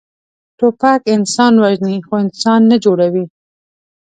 توپک انسان وژني، خو انسان نه جوړوي.